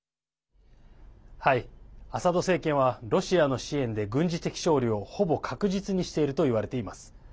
アサド政権はロシアの支援で軍事的勝利をほぼ確実にしているといわれています。